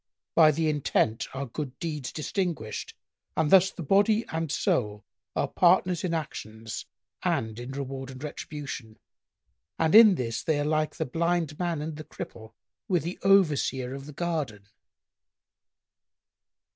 By the intent are good deeds distinguished and thus the body and soul are partners in actions and in reward and retribution, and in this they are like the Blind man and the Cripple with the Overseer of the garden."